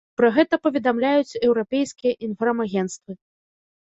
Пра гэта паведамляюць еўрапейскія інфармагенцтвы.